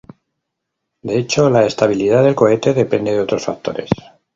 De hecho, la estabilidad del cohete depende de otros factores.